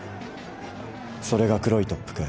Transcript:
それが黒い特服。